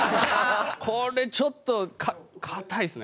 これちょっと硬いですね。